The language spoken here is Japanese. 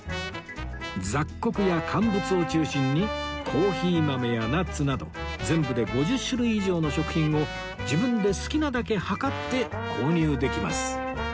雑穀や乾物を中心にコーヒー豆やナッツなど全部で５０種類以上の食品を自分で好きなだけ量って購入できます